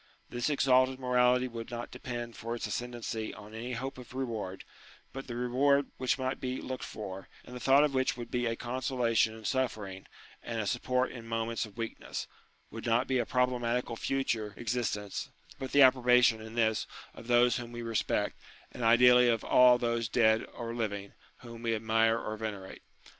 This exalted morality would not depend for its ascendancy on any hope of reward ; but the reward which might be looked for, and the thought of which would be a con solation in suffering, and a support in moments of weakness, would not be a problematical future exis UTILITY OF RELIGION 109 tence, but the approbation, in this, of those whom we respect, and ideally of all those, dead or living, whom we admire or venerate.